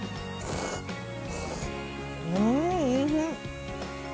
うーん、おいしい。